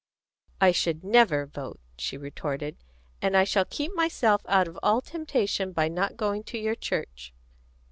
"I should never vote," she retorted. "And I shall keep myself out of all temptation by not going to your church."